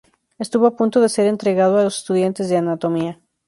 Estuvo a punto de ser entregado a los estudiantes de anatomía.